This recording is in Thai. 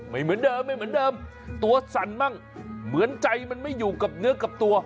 ไม่เหมือนเดิมไม่เหมือนเดิมตัวสั่นมั่งเหมือนใจมันไม่อยู่กับเนื้อกับตัว